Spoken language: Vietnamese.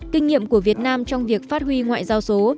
kinh nghiệm của việt nam trong việc phát huy ngoại giao số